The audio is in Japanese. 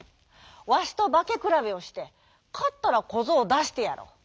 わしとばけくらべをしてかったらこぞうをだしてやろう」。